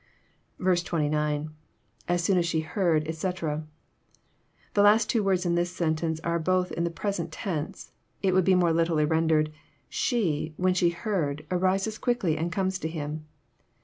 '*.— {_As soon as she heard, etc.] The two last words In this sen tence are both in the present tense. It would be more literally rendered, " She, when she heard, arises quickly and comes to Him.